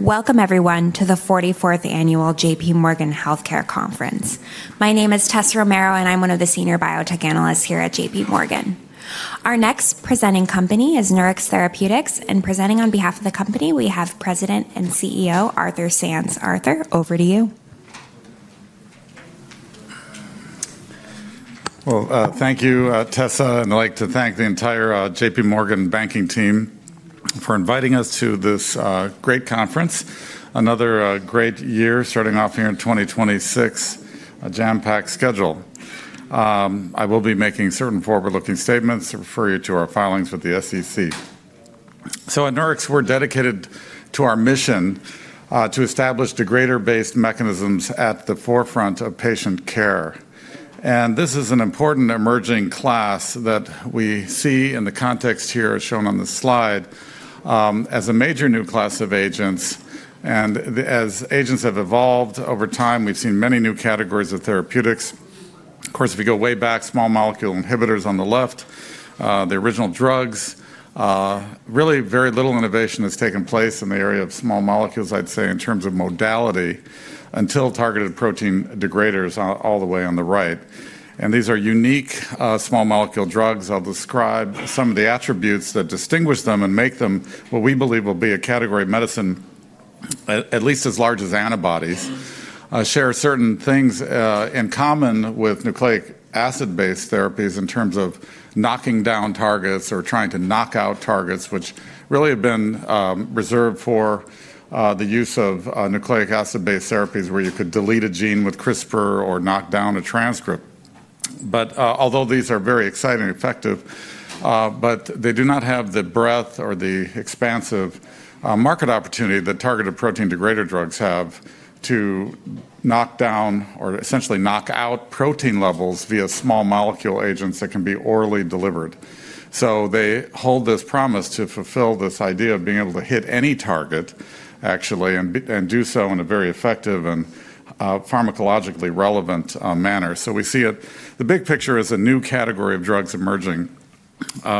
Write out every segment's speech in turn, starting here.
Welcome, everyone, to the 44th Annual JPMorgan Healthcare Conference. My name is Tessa Romero, and I'm one of the Senior Biotech Analysts here at JPMorgan. Our next presenting company is Nurix Therapeutics, and presenting on behalf of the company, we have President and CEO Arthur Sands. Arthur, over to you. Thank you, Tessa, and I'd like to thank the entire JPMorgan banking team for inviting us to this great conference. Another great year, starting off here in 2026, a jam-packed schedule. I will be making certain forward-looking statements to refer you to our filings with the SEC. At Nurix, we're dedicated to our mission to establish degrader-based mechanisms at the forefront of patient care. This is an important emerging class that we see in the context here shown on the slide as a major new class of agents. As agents have evolved over time, we've seen many new categories of therapeutics. Of course, if you go way back, small molecule inhibitors on the left, the original drugs, really very little innovation has taken place in the area of small molecules, I'd say, in terms of modality, until targeted protein degraders all the way on the right. And these are unique small molecule drugs. I'll describe some of the attributes that distinguish them and make them what we believe will be a category of medicine, at least as large as antibodies, share certain things in common with nucleic acid-based therapies in terms of knocking down targets or trying to knock out targets, which really have been reserved for the use of nucleic acid-based therapies where you could delete a gene with CRISPR or knock down a transcript. But although these are very exciting and effective, they do not have the breadth or the expansive market opportunity that targeted protein degrader drugs have to knock down or essentially knock out protein levels via small molecule agents that can be orally delivered. So they hold this promise to fulfill this idea of being able to hit any target, actually, and do so in a very effective and pharmacologically relevant manner. So we see it, the big picture is a new category of drugs emerging.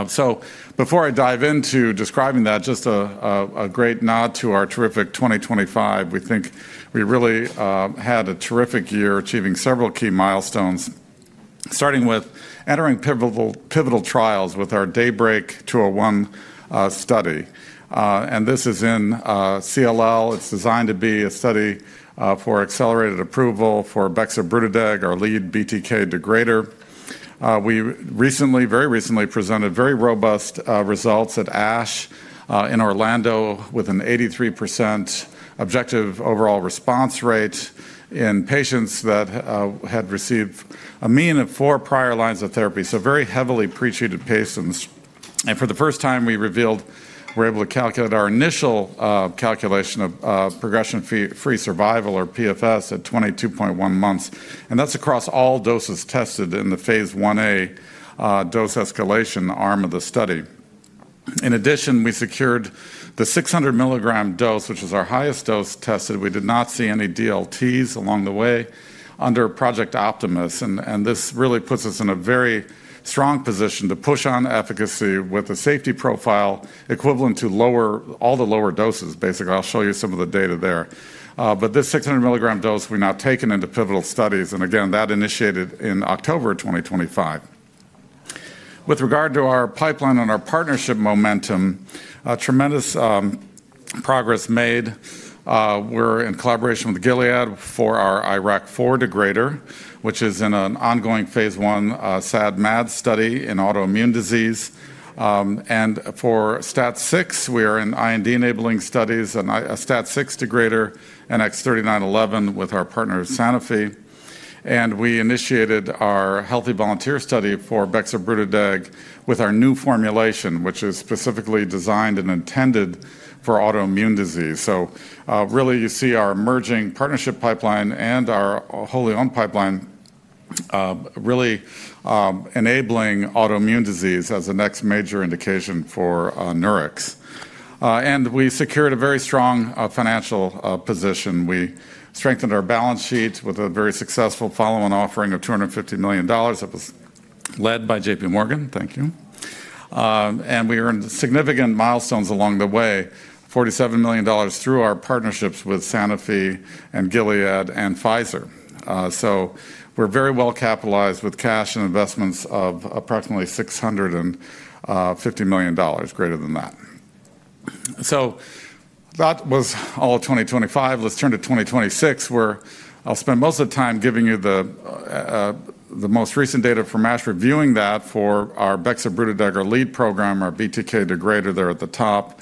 So before I dive into describing that, just a great nod to our terrific 2025. We think we really had a terrific year achieving several key milestones, starting with entering pivotal trials with our DAYBreak 201 study. And this is in CLL. It's designed to be a study for accelerated approval for bexobrutideg, our lead BTK degrader. We recently, very recently, presented very robust results at ASH in Orlando with an 83% objective overall response rate in patients that had received a mean of four prior lines of therapy, so very heavily pre-treated patients. For the first time, we revealed we were able to calculate our initial calculation of progression-free survival, or PFS, at 22.1 months. That's across all doses tested in the phase I-A dose escalation arm of the study. In addition, we secured the 600 mg dose, which was our highest dose tested. We did not see any DLTs along the way under Project Optimus. This really puts us in a very strong position to push on efficacy with a safety profile equivalent to all the lower doses, basically. I'll show you some of the data there. This 600 mg dose we're now taking into pivotal studies. Again, that initiated in October 2025. With regard to our pipeline and our partnership momentum, tremendous progress made. We're in collaboration with Gilead for our IRAK4 degrader, which is in an ongoing phase I SAD-MAD study in autoimmune disease. For STAT6, we are in IND enabling studies and a STAT6 degrader, NX-3911, with our partner Sanofi. We initiated our Healthy Volunteer study for bexobrutideg with our new formulation, which is specifically designed and intended for autoimmune disease. Really, you see our emerging partnership pipeline and our wholly-owned pipeline really enabling autoimmune disease as the next major indication for Nurix. We secured a very strong financial position. We strengthened our balance sheet with a very successful follow-on offering of $250 million. That was led by JPMorgan. Thank you. We earned significant milestones along the way, $47 million through our partnerships with Sanofi and Gilead and Pfizer. We're very well capitalized with cash and investments of approximately $650 million, greater than that. That was all of 2025. Let's turn to 2026, where I'll spend most of the time giving you the most recent data from ASH, reviewing that for our bexobrutideg, our lead program, our BTK degrader there at the top.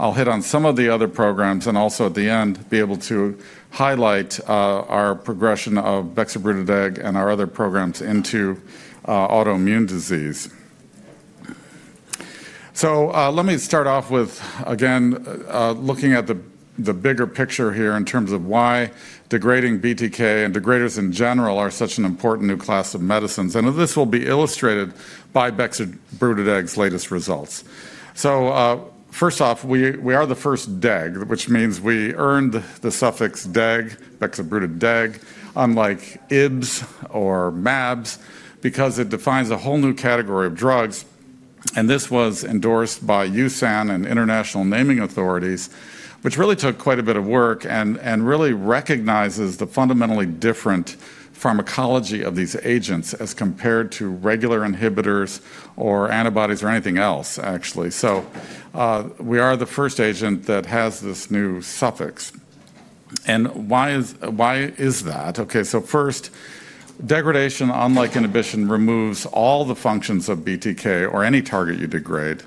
I'll hit on some of the other programs and also at the end be able to highlight our progression of bexobrutideg and our other programs into autoimmune disease. So let me start off with, again, looking at the bigger picture here in terms of why degrading BTK and degraders in general are such an important new class of medicines. And this will be illustrated by bexobrutideg's latest results. So first off, we are the first deg, which means we earned the suffix DEG, bexobrutideg, unlike ibs or mAbs, because it defines a whole new category of drugs. This was endorsed by USAN and international naming authorities, which really took quite a bit of work and really recognizes the fundamentally different pharmacology of these agents as compared to regular inhibitors or antibodies or anything else, actually. We are the first agent that has this new suffix. Why is that? Okay, first, degradation, unlike inhibition, removes all the functions of BTK or any target you degrade,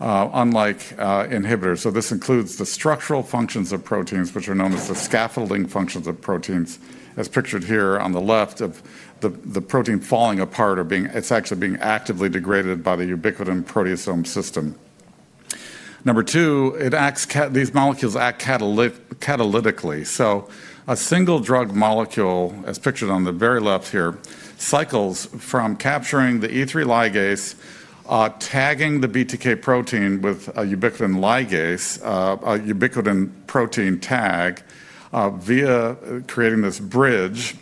unlike inhibitors. This includes the structural functions of proteins, which are known as the scaffolding functions of proteins, as pictured here on the left of the protein falling apart or being, it's actually being actively degraded by the ubiquitin-proteasome system. Number two, these molecules act catalytically. So a single drug molecule, as pictured on the very left here, cycles from capturing the E3 ligase, tagging the BTK protein with a ubiquitin ligase, a ubiquitin protein tag, via creating this bridge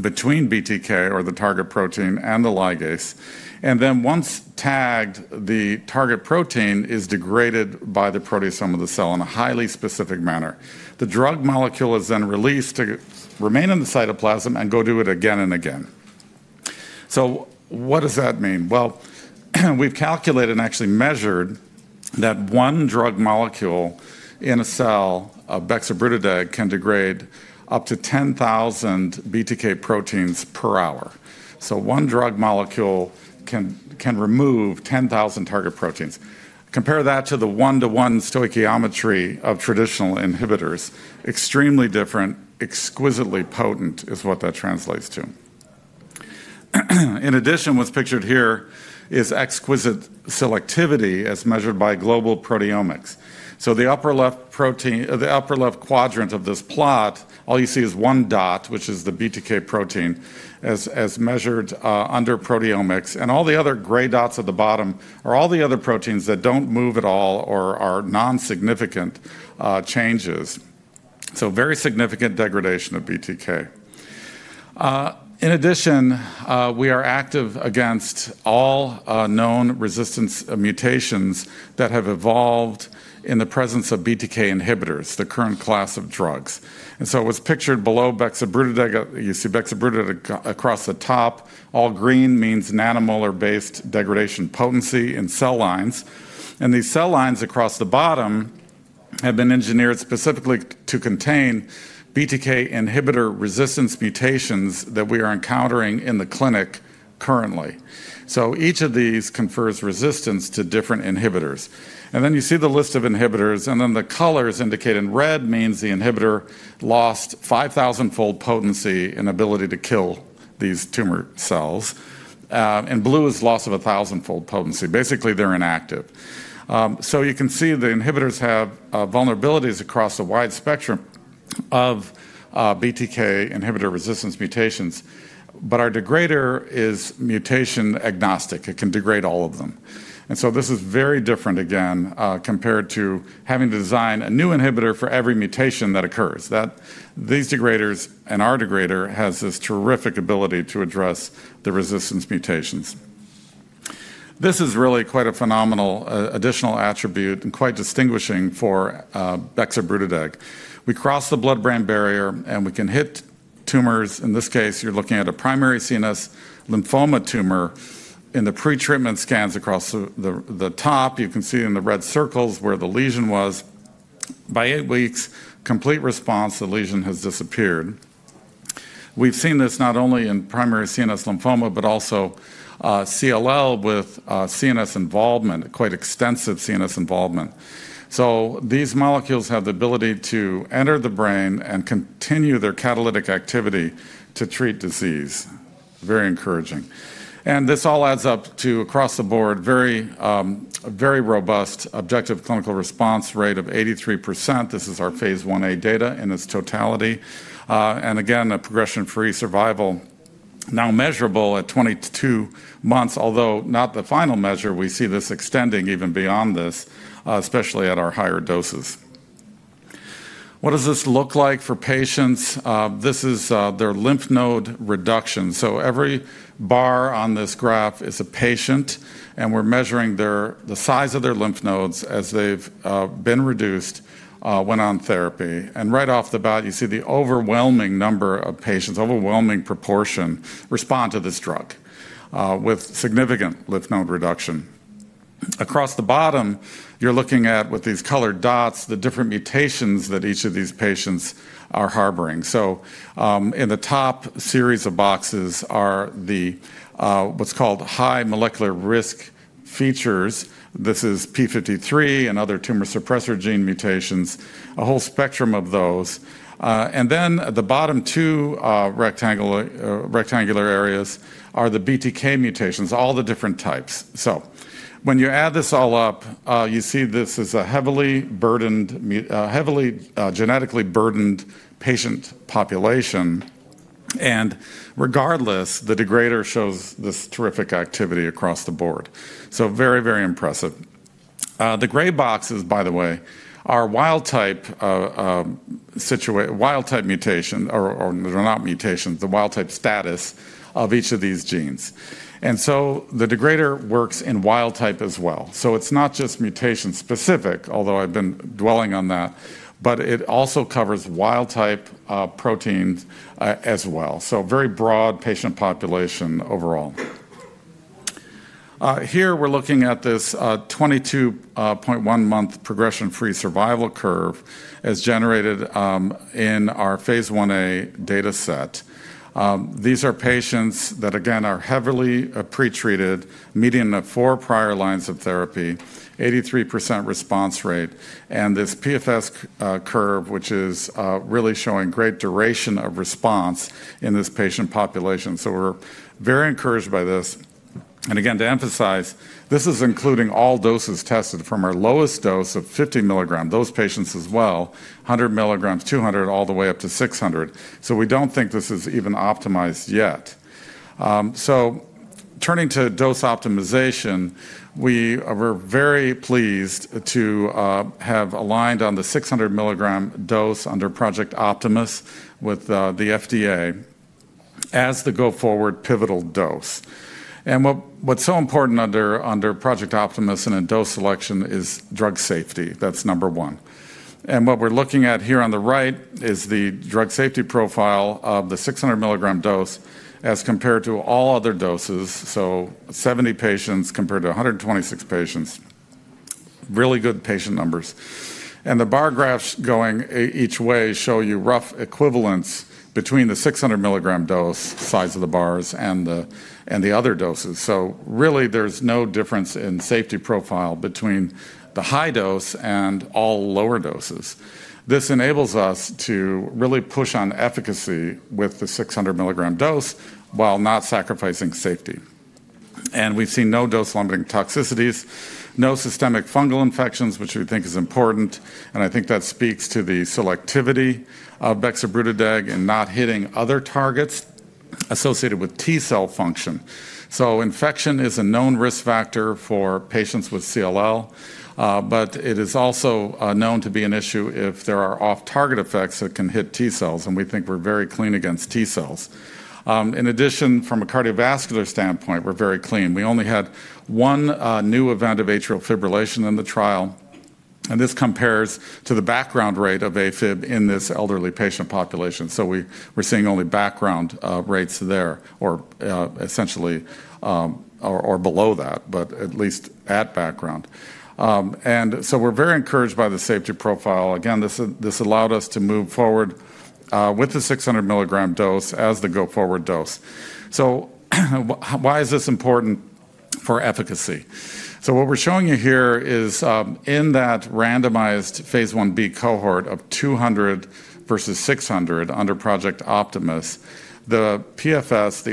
between BTK, or the target protein, and the ligase. And then once tagged, the target protein is degraded by the proteasome of the cell in a highly specific manner. The drug molecule is then released to remain in the cytoplasm and go do it again and again. So what does that mean? Well, we've calculated and actually measured that one drug molecule in a cell of bexobrutideg can degrade up to 10,000 BTK proteins per hour. So one drug molecule can remove 10,000 target proteins. Compare that to the one-to-one stoichiometry of traditional inhibitors. Extremely different, exquisitely potent is what that translates to. In addition, what's pictured here is exquisite selectivity as measured by global proteomics. So the upper left quadrant of this plot, all you see is one dot, which is the BTK protein, as measured under proteomics. And all the other gray dots at the bottom are all the other proteins that don't move at all or are non-significant changes. So very significant degradation of BTK. In addition, we are active against all known resistance mutations that have evolved in the presence of BTK inhibitors, the current class of drugs. And so it was pictured below bexobrutideg. You see bexobrutideg across the top. All green means nanomolar-based degradation potency in cell lines. And these cell lines across the bottom have been engineered specifically to contain BTK inhibitor resistance mutations that we are encountering in the clinic currently. So each of these confers resistance to different inhibitors. And then you see the list of inhibitors. And then the colors indicating red means the inhibitor lost 5,000-fold potency and ability to kill these tumor cells. And blue is loss of 1,000-fold potency. Basically, they're inactive. So you can see the inhibitors have vulnerabilities across a wide spectrum of BTK inhibitor resistance mutations. But our degrader is mutation agnostic. It can degrade all of them. And so this is very different, again, compared to having to design a new inhibitor for every mutation that occurs. These degraders and our degrader have this terrific ability to address the resistance mutations. This is really quite a phenomenal additional attribute and quite distinguishing for bexobrutideg. We cross the blood-brain barrier, and we can hit tumors. In this case, you're looking at a primary CNS lymphoma tumor. In the pretreatment scans across the top, you can see in the red circles where the lesion was, by eight weeks, complete response, the lesion has disappeared. We've seen this not only in primary CNS lymphoma, but also CLL with CNS involvement, quite extensive CNS involvement, so these molecules have the ability to enter the brain and continue their catalytic activity to treat disease. Very encouraging, and this all adds up to, across the board, a very robust objective clinical response rate of 83%. This is our phase I-A data in its totality, and again, a progression-free survival now measurable at 22 months, although not the final measure. We see this extending even beyond this, especially at our higher doses. What does this look like for patients? This is their lymph node reduction. So every bar on this graph is a patient, and we're measuring the size of their lymph nodes as they've been reduced when on therapy. And right off the bat, you see the overwhelming number of patients, overwhelming proportion, respond to this drug with significant lymph node reduction. Across the bottom, you're looking at, with these colored dots, the different mutations that each of these patients are harboring. So in the top series of boxes are the what's called high molecular risk features. This is p53 and other tumor suppressor gene mutations, a whole spectrum of those. And then the bottom two rectangular areas are the BTK mutations, all the different types. So when you add this all up, you see this is a heavily genetically burdened patient population. And regardless, the degrader shows this terrific activity across the board. So very, very impressive. The gray boxes, by the way, are wild-type mutations, or they're not mutations, the wild-type status of each of these genes. And so the degrader works in wild-type as well. So it's not just mutation-specific, although I've been dwelling on that, but it also covers wild-type proteins as well. So very broad patient population overall. Here we're looking at this 22.1-month progression-free survival curve as generated in our phase I-A data set. These are patients that, again, are heavily pre-treated, median of four prior lines of therapy, 83% response rate, and this PFS curve, which is really showing great duration of response in this patient population. So we're very encouraged by this. And again, to emphasize, this is including all doses tested from our lowest dose of 50 mg, those patients as well, 100 mg, 200, all the way up to 600 mg. We don't think this is even optimized yet. Turning to dose optimization, we were very pleased to have aligned on the 600 mg dose under Project Optimus with the FDA as the go-forward pivotal dose. What's so important under Project Optimus and in dose selection is drug safety. That's number one. What we're looking at here on the right is the drug safety profile of the 600 mg dose as compared to all other doses, so 70 patients compared to 126 patients. Really good patient numbers. The bar graphs going each way show you rough equivalence between the 600 mg dose size of the bars and the other doses. Really, there's no difference in safety profile between the high dose and all lower doses. This enables us to really push on efficacy with the 600 mg dose while not sacrificing safety. We've seen no dose-limiting toxicities, no systemic fungal infections, which we think is important. I think that speaks to the selectivity of bexobrutideg in not hitting other targets associated with T-cell function. Infection is a known risk factor for patients with CLL, but it is also known to be an issue if there are off-target effects that can hit T-cells, and we think we're very clean against T-cells. In addition, from a cardiovascular standpoint, we're very clean. We only had one new event of atrial fibrillation in the trial, and this compares to the background rate of AFib in this elderly patient population. We're seeing only background rates there, or essentially below that, but at least at background. We're very encouraged by the safety profile. Again, this allowed us to move forward with the 600 mg dose as the go-forward dose. So why is this important for efficacy? What we're showing you here is in that randomized phase I-B cohort of 200 versus 600 under Project Optimus, the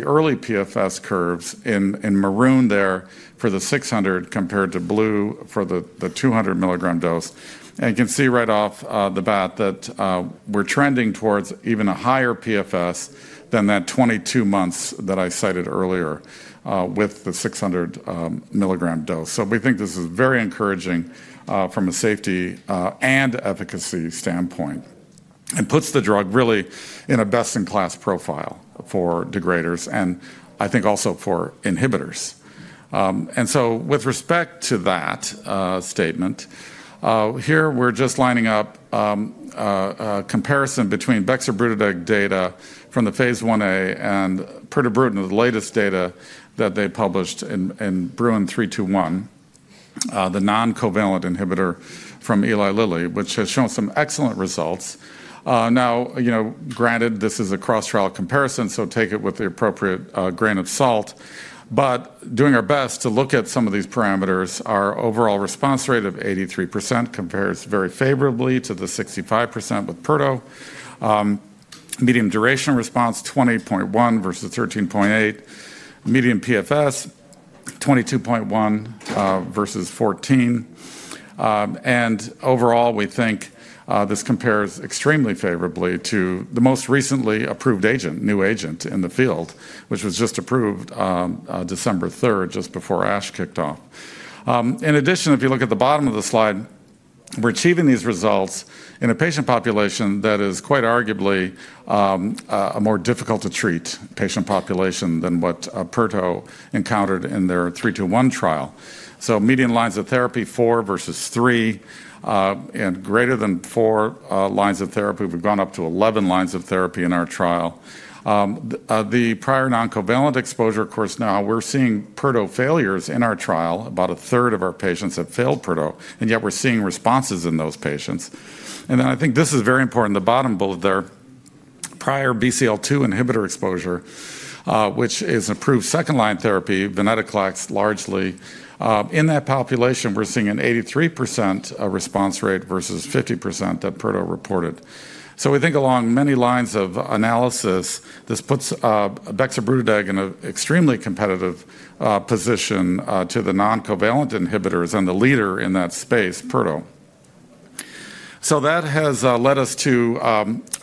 early PFS curves in maroon there for the 600 compared to blue for the 200 mg dose. You can see right off the bat that we're trending towards even a higher PFS than that 22 months that I cited earlier with the 600 mg dose. We think this is very encouraging from a safety and efficacy standpoint. It puts the drug really in a best-in-class profile for degraders and I think also for inhibitors. With respect to that statement, here we're just lining up a comparison between bexobrutideg data from the phase I-A and pirtobrutinib, the latest data that they published in Bruin 321, the non-covalent inhibitor from Eli Lilly, which has shown some excellent results. Now, granted, this is a cross-trial comparison, so take it with the appropriate grain of salt. But doing our best to look at some of these parameters, our overall response rate of 83% compares very favorably to the 65% with Perto, median duration of response 20.1 versus 13.8, median PFS 22.1 versus 14. And overall, we think this compares extremely favorably to the most recently approved new agent in the field, which was just approved December 3rd, just before ASH kicked off. In addition, if you look at the bottom of the slide, we're achieving these results in a patient population that is quite arguably a more difficult-to-treat patient population than what Perto encountered in their 321 trial. So median lines of therapy four versus three, and greater than four lines of therapy, we've gone up to 11 lines of therapy in our trial. The prior non-covalent exposure, of course, now we're seeing Perto failures in our trial. About a third of our patients have failed Perto, and yet we're seeing responses in those patients, and then I think this is very important. The bottom bullet there, prior BCL2 inhibitor exposure, which is an approved second-line therapy, Venetoclax largely. In that population, we're seeing an 83% response rate versus 50% that Perto reported, so we think along many lines of analysis, this puts bexobrutideg in an extremely competitive position to the non-covalent inhibitors and the leader in that space, Perto, so that has led us to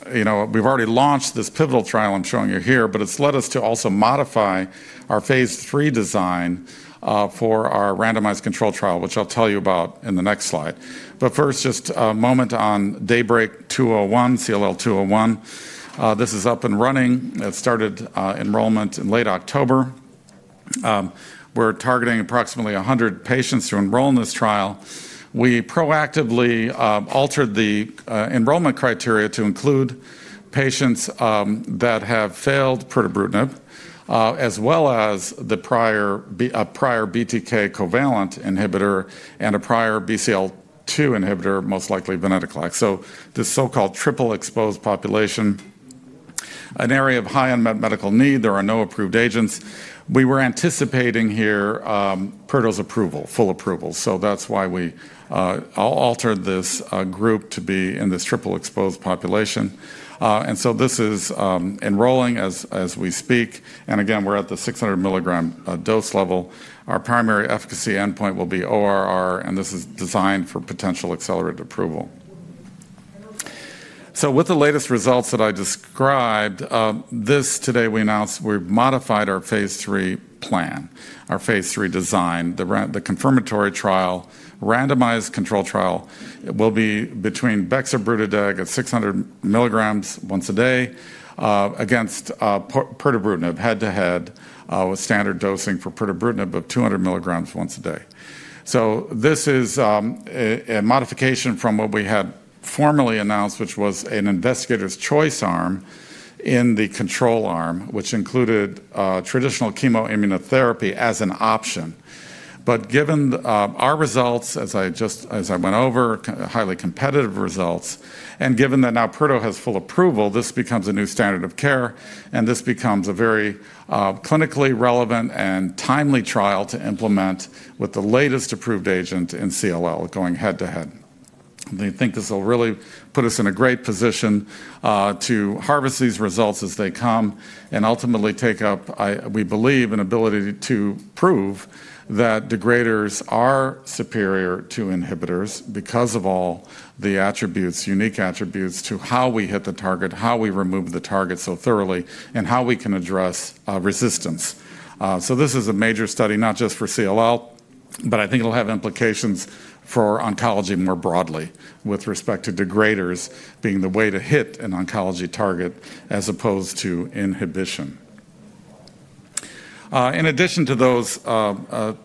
we've already launched this pivotal trial I'm showing you here, but it's led us to also modify our phase III design for our randomized control trial, which I'll tell you about in the next slide, but first, just a moment on DAYBreak 201, CLL 201. This is up and running. It started enrollment in late October. We're targeting approximately 100 patients to enroll in this trial. We proactively altered the enrollment criteria to include patients that have failed pirtobrutinib, as well as a prior BTK covalent inhibitor and a prior BCL2 inhibitor, most likely Venetoclax. So this so-called triple-exposed population, an area of high unmet medical need. There are no approved agents. We were anticipating here pirtobrutinib's full approval, so that's why we altered this group to be in this triple-exposed population. And so this is enrolling as we speak. And again, we're at the 600 mg dose level. Our primary efficacy endpoint will be ORR, and this is designed for potential accelerated approval. So with the latest results that I described, this today we announced we've modified our phase III plan, our phase III design. The confirmatory trial, randomized control trial, will be between bexobrutideg at 600 mg once a day against pirtobrutinib head-to-head with standard dosing for pirtobrutinib of 200 mg once a day. So this is a modification from what we had formally announced, which was an investigator's choice arm in the control arm, which included traditional chemoimmunotherapy as an option. But given our results, as I went over, highly competitive results, and given that now pirtobrutinib has full approval, this becomes a new standard of care, and this becomes a very clinically relevant and timely trial to implement with the latest approved agent in CLL going head-to-head. We think this will really put us in a great position to harvest these results as they come and ultimately take up, we believe, an ability to prove that degraders are superior to inhibitors because of all the unique attributes to how we hit the target, how we remove the target so thoroughly, and how we can address resistance. So this is a major study, not just for CLL, but I think it'll have implications for oncology more broadly with respect to degraders being the way to hit an oncology target as opposed to inhibition. In addition to those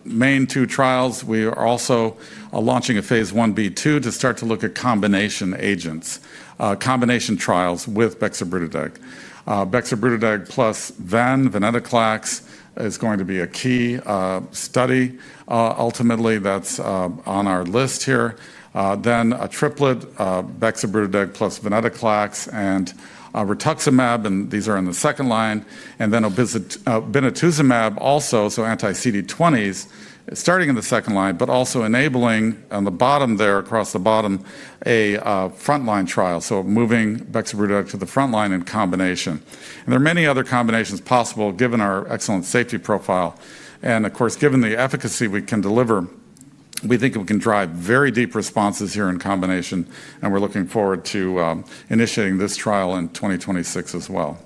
main two trials, we are also launching a phase I-B/II to start to look at combination agents, combination trials with bexobrutideg. Bexobrutideg plus then Venetoclax is going to be a key study. Ultimately, that's on our list here. Then a triplet, bexobrutideg plus venetoclax and rituximab, and these are in the second line. And then obinutuzumab also, so anti-CD20s, starting in the second line, but also enabling on the bottom there, across the bottom, a frontline trial. So moving bexobrutideg to the frontline in combination. And there are many other combinations possible given our excellent safety profile. And of course, given the efficacy we can deliver, we think we can drive very deep responses here in combination, and we're looking forward to initiating this trial in 2026 as well.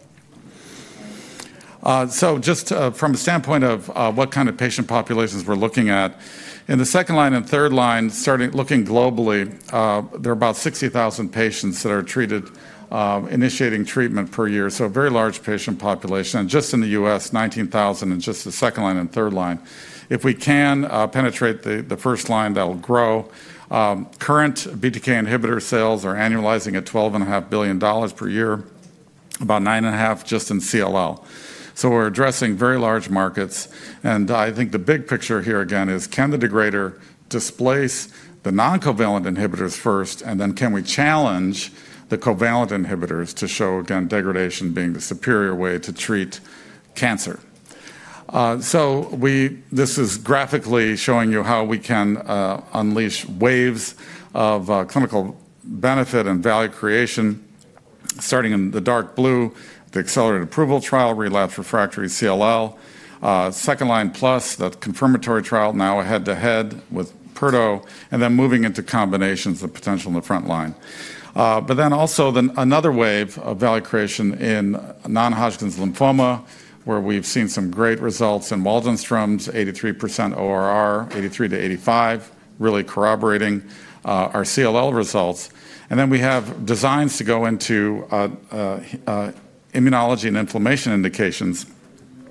So just from a standpoint of what kind of patient populations we're looking at, in the second line and third line, starting looking globally, there are about 60,000 patients that are initiating treatment per year. So a very large patient population. And just in the U.S., 19,000 in just the second line and third line. If we can penetrate the first line, that'll grow. Current BTK inhibitor sales are annualizing at $12.5 billion per year, about $9.5 billion just in CLL. So we're addressing very large markets. And I think the big picture here again is, can the degrader displace the non-covalent inhibitors first, and then can we challenge the covalent inhibitors to show, again, degradation being the superior way to treat cancer? So this is graphically showing you how we can unleash waves of clinical benefit and value creation, starting in the dark blue, the accelerated approval trial, relapse refractory CLL, second line plus that confirmatory trial, now head-to-head with pirtobrutinib, and then moving into combinations of potential in the front line. But then also another wave of value creation in non-Hodgkin's lymphoma, where we've seen some great results in Waldenström's, 83%-85% ORR, really corroborating our CLL results. And then we have designs to go into immunology and inflammation indications,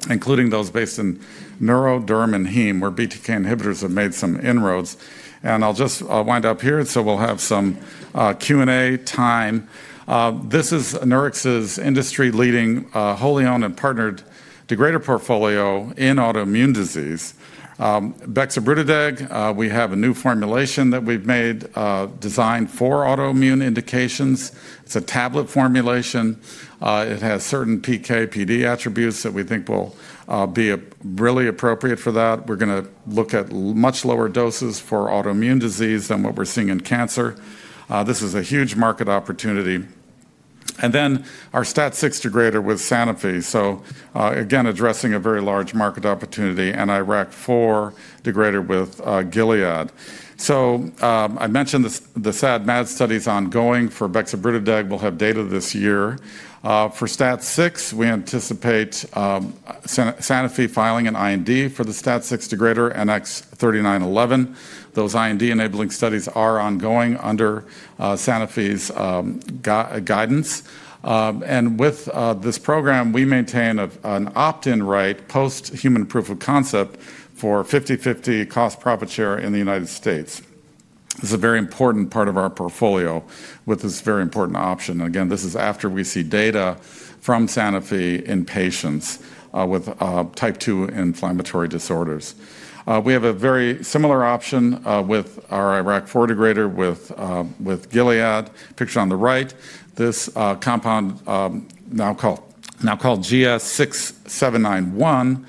including those based in neuro, derm, and heme, where BTK inhibitors have made some inroads. And I'll just wind up here, so we'll have some Q&A time. This is Nurix's industry-leading wholly owned and partnered degrader portfolio in autoimmune disease. Bexobrutideg, we have a new formulation that we've made designed for autoimmune indications. It's a tablet formulation. It has certain PK/PD attributes that we think will be really appropriate for that. We're going to look at much lower doses for autoimmune disease than what we're seeing in cancer. This is a huge market opportunity. And then our STAT6 degrader with Sanofi. So again, addressing a very large market opportunity, and IRAK4 degrader with Gilead. So I mentioned the SAD-MAD studies ongoing for bexobrutideg. We'll have data this year. For STAT6, we anticipate Sanofi filing an IND for the STAT6 degrader NX-3911. Those IND enabling studies are ongoing under Sanofi's guidance. And with this program, we maintain an opt-in right post-human proof of concept for 50/50 cost-profit share in the United States. This is a very important part of our portfolio with this very important option. Again, this is after we see data from Sanofi in patients with type 2 inflammatory disorders. We have a very similar option with our IRAK4 degrader with Gilead, pictured on the right. This compound, now called GS-6791,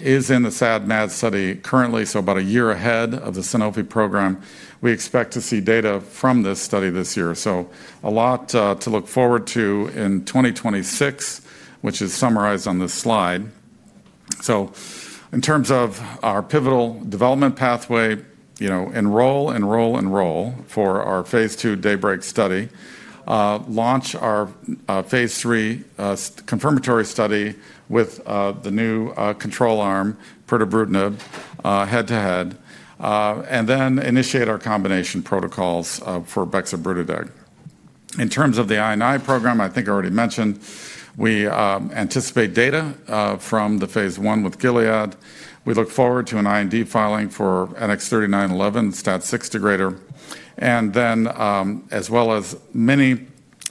is in the SAD-MAD study currently, so about a year ahead of the Sanofi program. We expect to see data from this study this year. So a lot to look forward to in 2026, which is summarized on this slide. So in terms of our pivotal development pathway, enroll, enroll, enroll for our phase II DAYBreak study. Launch our phase III confirmatory study with the new control arm, pirtobrutinib, head-to-head, and then initiate our combination protocols for bexobrutideg. In terms of the IRAK4 program, I think I already mentioned, we anticipate data from the phase I with Gilead. We look forward to an IND filing for NX-3911, STAT6 degrader, and then as well as many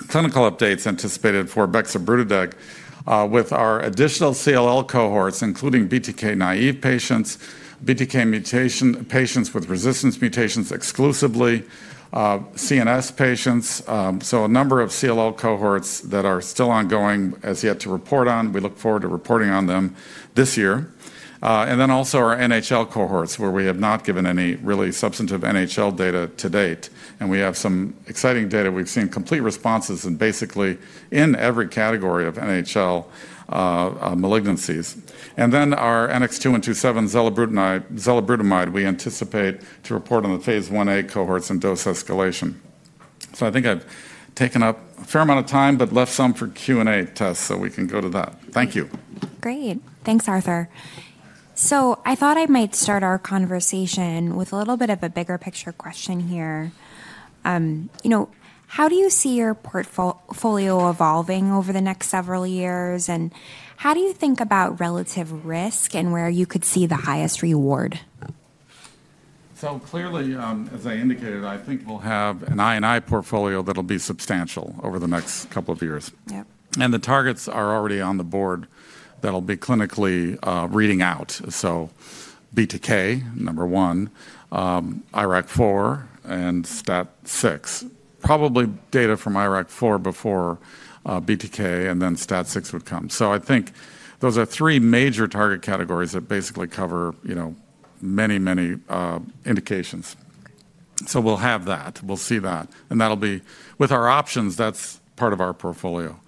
clinical updates anticipated for bexobrutideg with our additional CLL cohorts, including BTK naive patients, BTK mutation patients with resistance mutations exclusively, CNS patients. So a number of CLL cohorts that are still ongoing as yet to report on. We look forward to reporting on them this year. And then also our NHL cohorts, where we have not given any really substantive NHL data to date. And we have some exciting data. We've seen complete responses in basically every category of NHL malignancies. Then our NX-2127, zelabrutamide, we anticipate to report on the phase I-A cohorts and dose escalation. I think I've taken up a fair amount of time, but left some for Q&A next, so we can go to that. Thank you. Great. Thanks, Arthur. So I thought I might start our conversation with a little bit of a bigger picture question here. How do you see your portfolio evolving over the next several years, and how do you think about relative risk and where you could see the highest reward? So clearly, as I indicated, I think we'll have an IND portfolio that'll be substantial over the next couple of years. And the targets are already on the board that'll be clinically reading out. So BTK, number one, IRAK4, and STAT6. Probably data from IRAK4 before BTK, and then STAT6 would come. So I think those are three major target categories that basically cover many, many indications. So we'll have that. We'll see that. And that'll be with our options, that's part of our portfolio.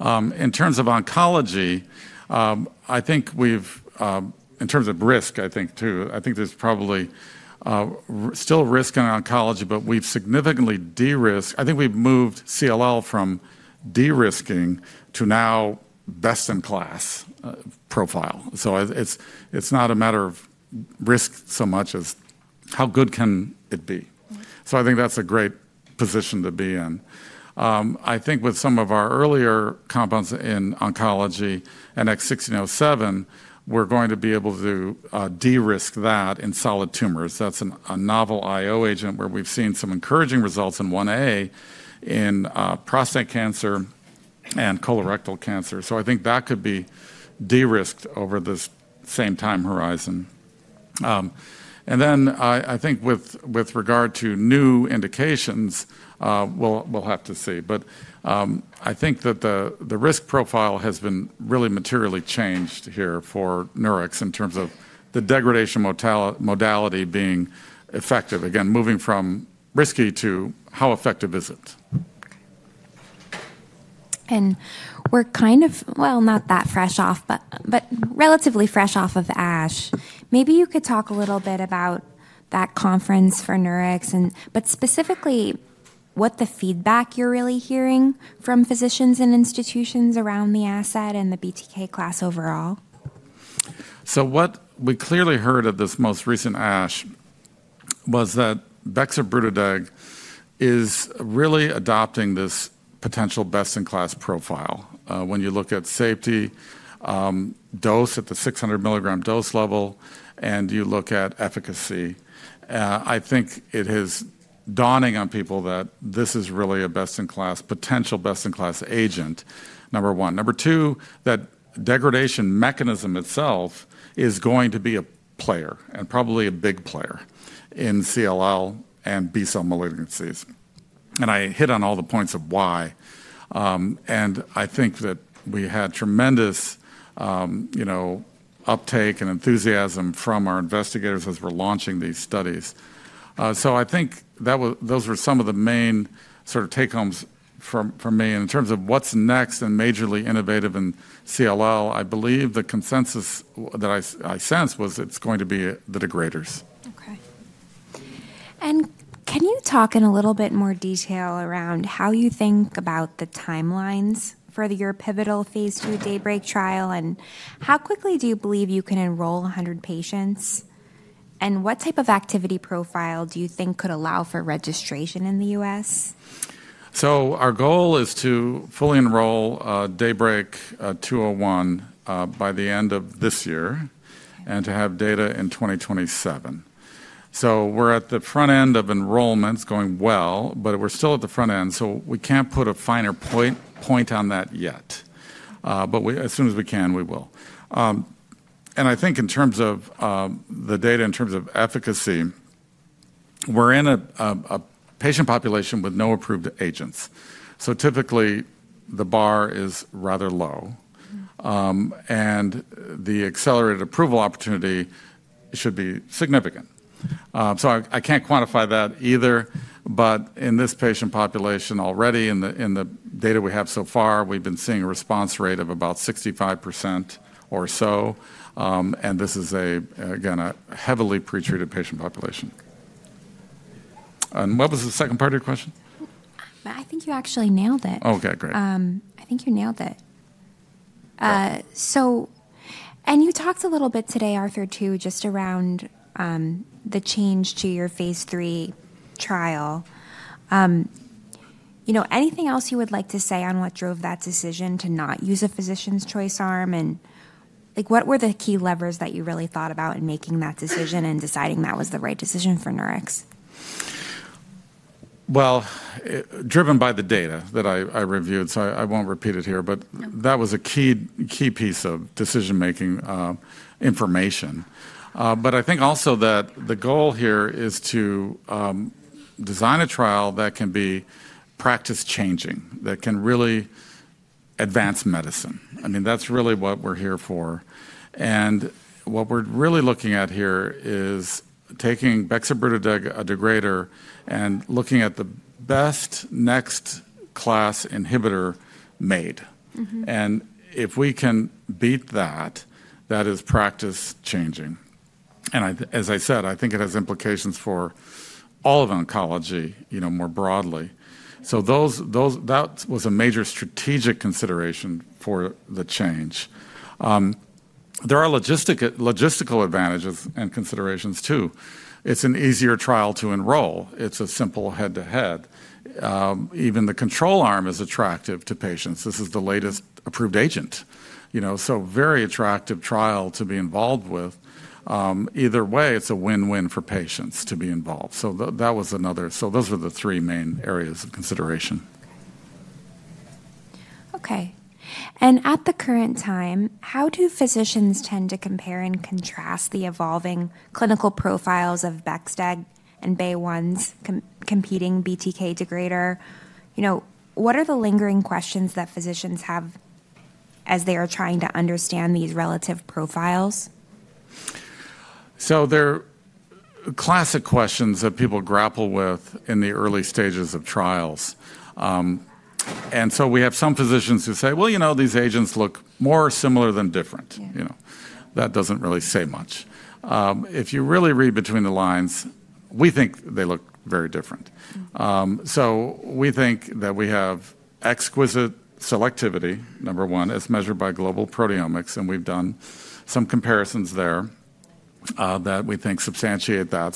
In terms of oncology, I think we've in terms of risk, I think too, I think there's probably still risk in oncology, but we've significantly de-risked. I think we've moved CLL from de-risking to now best-in-class profile. So it's not a matter of risk so much as how good can it be. So I think that's a great position to be in. I think with some of our earlier compounds in oncology, NX-1607, we're going to be able to de-risk that in solid tumors. That's a novel IO agent where we've seen some encouraging results in I-A in prostate cancer and colorectal cancer. So I think that could be de-risked over this same time horizon. And then I think with regard to new indications, we'll have to see. But I think that the risk profile has been really materially changed here for Nurix in terms of the degradation modality being effective. Again, moving from risky to how effective is it? We're kind of, well, not that fresh off, but relatively fresh off of ASH. Maybe you could talk a little bit about that conference for Nurix, but specifically what the feedback you're really hearing from physicians and institutions around the asset and the BTK class overall. What we clearly heard at this most recent ASH was that bexobrutideg is really adopting this potential best-in-class profile. When you look at safety, dose at the 600 mg dose level, and you look at efficacy, I think it is dawning on people that this is really a best-in-class, potential best-in-class agent, number one. Number two, that degradation mechanism itself is going to be a player and probably a big player in CLL and B-cell malignancies. I hit on all the points of why. I think that we had tremendous uptake and enthusiasm from our investigators as we're launching these studies. I think those were some of the main sort of take homes for me. In terms of what's next and majorly innovative in CLL, I believe the consensus that I sense was it's going to be the degraders. Okay. And can you talk in a little bit more detail around how you think about the timelines for your pivotal phase II DAYBreak trial? And how quickly do you believe you can enroll 100 patients? And what type of activity profile do you think could allow for registration in the U.S.? So our goal is to fully enroll DAYBreak 201 by the end of this year and to have data in 2027. So we're at the front end of enrollments going well, but we're still at the front end. So we can't put a finer point on that yet. But as soon as we can, we will. And I think in terms of the data, in terms of efficacy, we're in a patient population with no approved agents. So typically, the bar is rather low, and the accelerated approval opportunity should be significant. So I can't quantify that either. But in this patient population already, in the data we have so far, we've been seeing a response rate of about 65% or so. And this is, again, a heavily pretreated patient population. And what was the second part of your question? I think you actually nailed it. Oh, okay, great. I think you nailed it, and you talked a little bit today, Arthur, too, just around the change to your phase III trial. Anything else you would like to say on what drove that decision to not use a physician's choice arm, and what were the key levers that you really thought about in making that decision and deciding that was the right decision for Nurix? Well, driven by the data that I reviewed, so I won't repeat it here, but that was a key piece of decision-making information. But I think also that the goal here is to design a trial that can be practice-changing, that can really advance medicine. I mean, that's really what we're here for. And what we're really looking at here is taking bexobrutideg, a degrader, and looking at the best next-class inhibitor made. And if we can beat that, that is practice-changing. And as I said, I think it has implications for all of oncology more broadly. So that was a major strategic consideration for the change. There are logistical advantages and considerations too. It's an easier trial to enroll. It's a simple head-to-head. Even the control arm is attractive to patients. This is the latest approved agent. So very attractive trial to be involved with. Either way, it's a win-win for patients to be involved. So that was another. So those were the three main areas of consideration. Okay. And at the current time, how do physicians tend to compare and contrast the evolving clinical profiles of bexobrutideg and BeOne's competing BTK degrader? What are the lingering questions that physicians have as they are trying to understand these relative profiles? They're classic questions that people grapple with in the early stages of trials. And so we have some physicians who say, well, you know, these agents look more similar than different. That doesn't really say much. If you really read between the lines, we think they look very different. So we think that we have exquisite selectivity, number one, as measured by global proteomics. And we've done some comparisons there that we think substantiate that.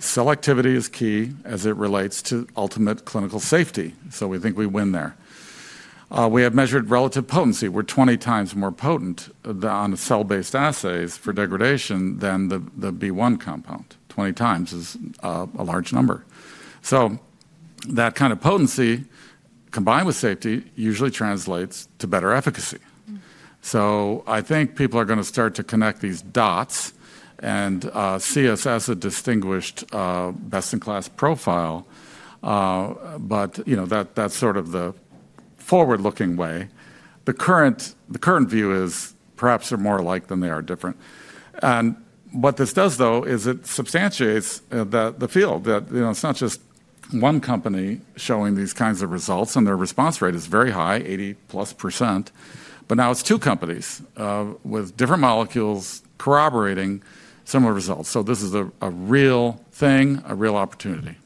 So selectivity is key as it relates to ultimate clinical safety. So we think we win there. We have measured relative potency. We're 20 times more potent on cell-based assays for degradation than the BeOne compound. 20 times is a large number. So that kind of potency, combined with safety, usually translates to better efficacy. So I think people are going to start to connect these dots and see us as a distinguished best-in-class profile. But that's sort of the forward-looking way. The current view is perhaps they're more alike than they are different. And what this does, though, is it substantiates the field that it's not just one company showing these kinds of results, and their response rate is very high, 80% plus. But now it's two companies with different molecules corroborating similar results. So this is a real thing, a real opportunity.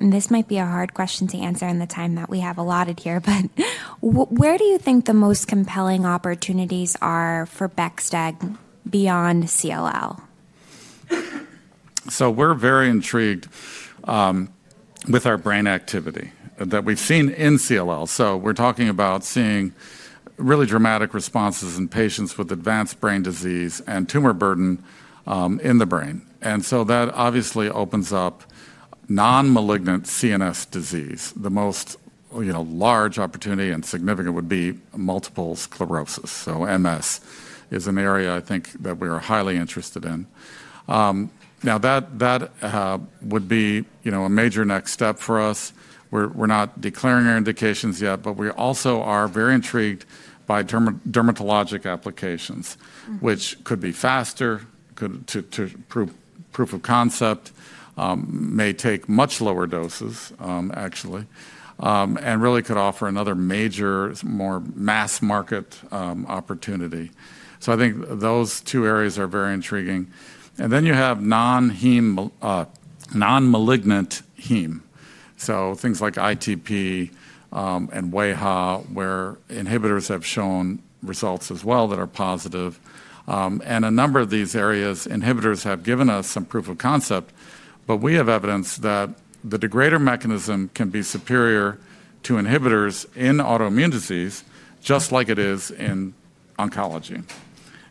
This might be a hard question to answer in the time that we have allotted here, but where do you think the most compelling opportunities are for bexobrutideg beyond CLL? We're very intrigued with our brain activity that we've seen in CLL. We're talking about seeing really dramatic responses in patients with advanced brain disease and tumor burden in the brain. That obviously opens up non-malignant CNS disease. The most large opportunity and significant would be multiple sclerosis. MS is an area, I think, that we are highly interested in. That would be a major next step for us. We're not declaring our indications yet, but we also are very intrigued by dermatologic applications, which could be faster, could prove proof of concept, may take much lower doses, actually, and really could offer another major, more mass market opportunity. Those two areas are very intriguing. Then you have non-malignant HEME. Things like ITP and AIHA, where inhibitors have shown results as well that are positive. And a number of these areas, inhibitors have given us some proof of concept, but we have evidence that the degrader mechanism can be superior to inhibitors in autoimmune disease, just like it is in oncology.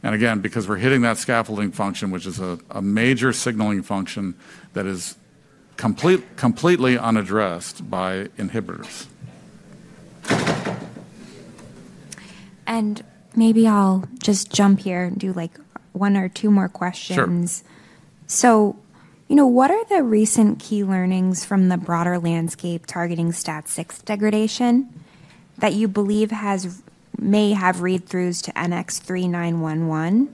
And again, because we're hitting that scaffolding function, which is a major signaling function that is completely unaddressed by inhibitors. Maybe I'll just jump here and do one or two more questions. Sure. So what are the recent key learnings from the broader landscape targeting STAT6 degradation that you believe may have read-throughs to NX-3911?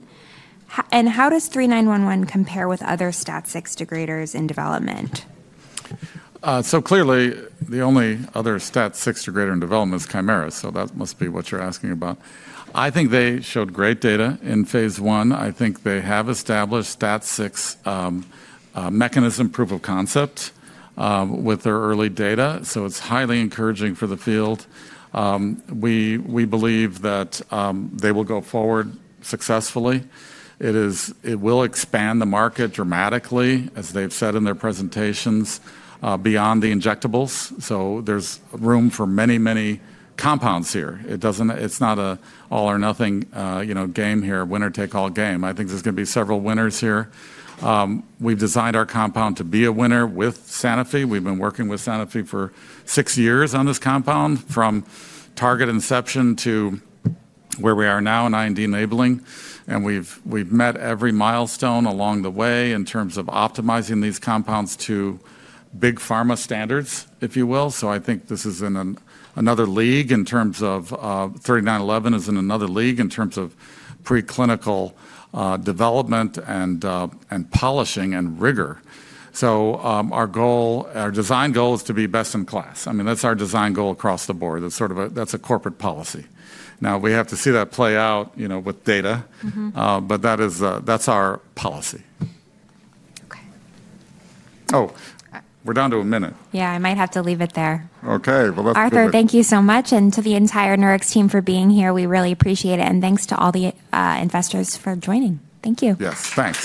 And how does NX-3911 compare with other STAT6 degraders in development? Clearly, the only other STAT6 degrader in development is Kymera. So that must be what you're asking about. I think they showed great data in phase I. I think they have established STAT6 mechanism proof of concept with their early data. So it's highly encouraging for the field. We believe that they will go forward successfully. It will expand the market dramatically, as they've said in their presentations, beyond the injectables. So there's room for many, many compounds here. It's not an all-or-nothing game here, winner-take-all game. I think there's going to be several winners here. We've designed our compound to be a winner with Sanofi. We've been working with Sanofi for six years on this compound, from target inception to where we are now in IND enabling. And we've met every milestone along the way in terms of optimizing these compounds to big pharma standards, if you will. So, I think this is in another league in terms of NX-3911 is in another league in terms of preclinical development and polishing and rigor. So, our design goal is to be best in class. I mean, that's our design goal across the board. That's a corporate policy. Now, we have to see that play out with data, but that's our policy. Okay. Oh, we're down to a minute. Yeah, I might have to leave it there. Okay, well, that's good. Arthur, thank you so much and to the entire Nurix team for being here, we really appreciate it, and thanks to all the investors for joining. Thank you. Yes, thanks.